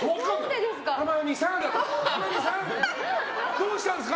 どうしたんですか？